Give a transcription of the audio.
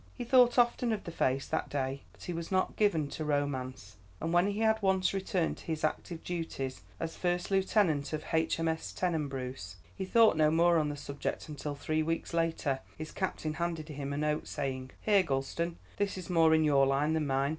_"] He thought often of the face that day, but he was not given to romance, and when he had once returned to his active duties as first lieutenant of H.M.S. Tenebreuse, he thought no more on the subject until three weeks later his captain handed him a note, saying: "Here, Gulston, this is more in your line than mine.